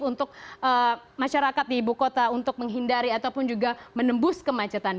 untuk masyarakat di ibu kota untuk menghindari ataupun juga menembus kemacetan